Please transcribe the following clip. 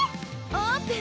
オープン！